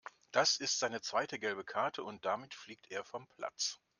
Das ist seine zweite gelbe Karte und damit fliegt er vom Platz.